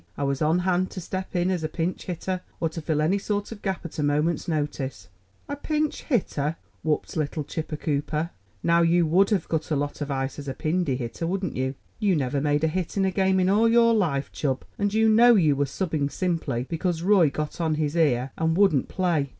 I was on hand to step in as a pinch hitter, or to fill any sort of a gap at a moment's notice." "A pinch hitter!" whooped little Chipper Cooper. "Now, you would have cut a lot of ice as a pindi hitter, wouldn't you? You never made a hit in a game in all your life, Chub, and you know you were subbing simply because Roy got on his ear and wouldn't play.